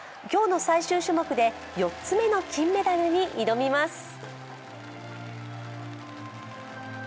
今日の最終種目で４つ目の金メダルに挑みます。